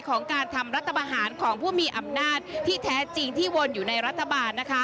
ของการทำรัฐบาหารของผู้มีอำนาจที่แท้จริงที่วนอยู่ในรัฐบาล